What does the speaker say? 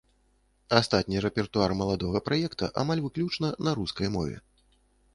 Астатні рэпертуар маладога праекта амаль выключна на рускай мове.